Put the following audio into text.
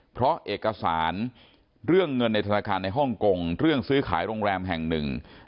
เพราะเอกสารเรื่องเงินในธนาคารในฮ่องกงเรื่องซื้อขายโรงแรมแห่งหนึ่ง